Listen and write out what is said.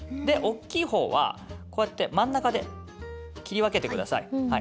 で大きい方はこうやって真ん中で切り分けてください。